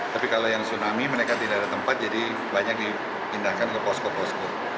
tapi kalau yang tsunami mereka tidak ada tempat jadi banyak dipindahkan ke posko posko